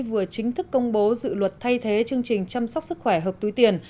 vừa chính thức công bố dự luật thay thế chương trình chăm sóc sức khỏe hợp túi tiền